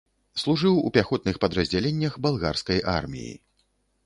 Служыў у пяхотных падраздзяленнях балгарскай арміі.